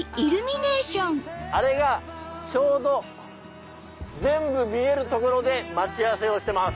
あれがちょうど全部見える所で待ち合わせをしてます。